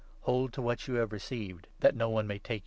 Hold 1 1 to what you have received, that no one may take your !